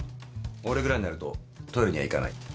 俺ぐらいになるとトイレには行かない。